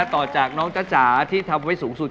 ต่อจากน้องจ๊ะจ๋าที่ทำไว้สูงสุด